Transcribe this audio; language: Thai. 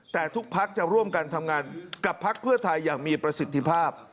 แต่ทุกพักจะร่วมกันทำงานกับพักเพื่อไทยอย่างมีประสิทธิภาพ